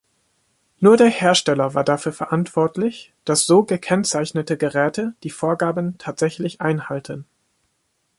Nur der Hersteller war dafür verantwortlich, dass so gekennzeichnete Geräte die Vorgaben tatsächlich einhalten.